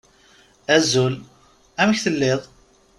Azul. Amek telliḍ?